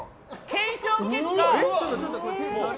検証結果。